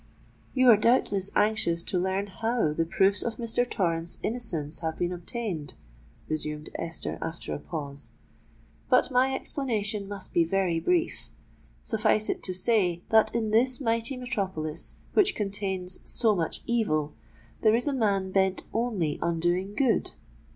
"You are doubtless anxious to learn how the proofs of Mr. Torrens' innocence have been obtained," resumed Esther, after a pause: "but my explanation must be very brief. Suffice it to say that in this mighty metropolis, which contains so much evil, there is a man bent only on doing good.